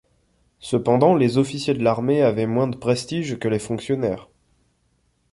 Cependant, les officiers de l'armée avaient moins de prestige que les fonctionnaires.